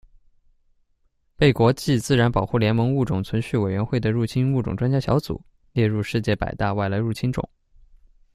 被国际自然保护联盟物种存续委员会的入侵物种专家小组列入世界百大外来入侵种。